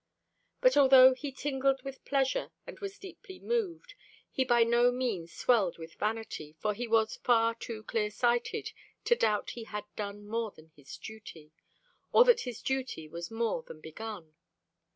But although he tingled with pleasure and was deeply moved, he by no means swelled with vanity, for he was far too clear sighted to doubt he had done more than his duty, or that his duty was more than begun.